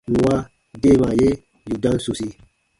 Nwa deemaa ye yù dam sosi.